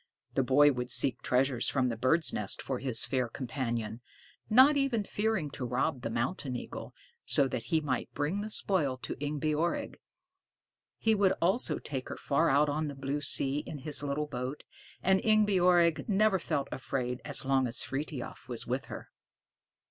The boy would seek treasures from the birds' nests for his fair companion, not even fearing to rob the mountain eagle, so that he might bring the spoil to Ingebjorg. He would also take her far out on the blue sea in his little boat, and Ingebjorg never felt afraid as long as Frithiof was with her.